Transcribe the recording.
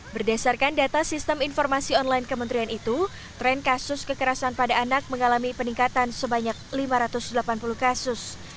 berdasarkan data sistem informasi online kementerian itu tren kasus kekerasan pada anak mengalami peningkatan sebanyak lima ratus delapan puluh kasus